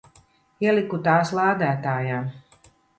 Ieliku tās lādētājā.